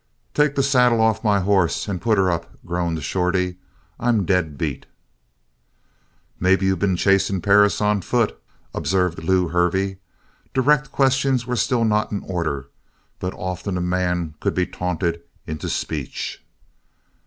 "Take the saddle off my horse and put 'er up," groaned Shorty. "I'm dead beat!" "Maybe you been chasing Perris on foot," observed Lew Hervey. Direct questions were still not in order, but often a man could be taunted into speech.